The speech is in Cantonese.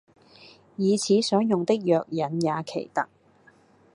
以此所用的藥引也奇特：